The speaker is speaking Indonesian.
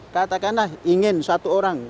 katakanlah ingin satu orang